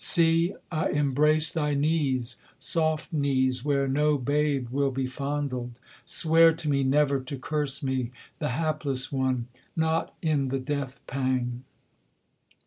See, I embrace thy knees soft knees, where no babe will be fondled Swear to me never to curse me, the hapless one, not in the death pang.'